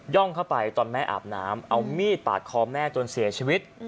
่องเข้าไปตอนแม่อาบน้ำเอามีดปาดคอแม่จนเสียชีวิต